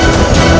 itu udah gila